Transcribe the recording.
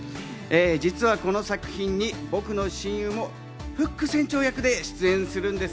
実はこの作品に僕の親友もフック船長役で出演するんです。